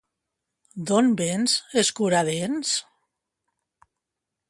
D'on vens, escuradents?